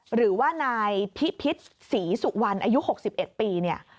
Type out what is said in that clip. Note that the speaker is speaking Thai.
หรือว่านายพิพิษศรีสุวรรณอายุ๖๑ปีเนี่ย